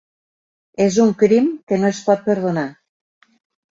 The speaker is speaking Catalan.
És un crim que no es pot perdonar.